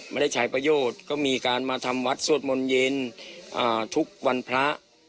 ไม่ได้ใช้ประโยชน์ก็มีการมาทำวัดสวดมนต์เย็นทุกวันพระ